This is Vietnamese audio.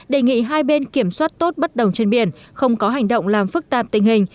đề nghị hai bên kiểm soát tốt bất đồng trên biển không có hành động làm phức tạp tình hình